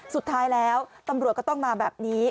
สุดท้ายแล้วตำรวจก็ต้องมาแบบนี้